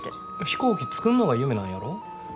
飛行機作んのが夢なんやろ？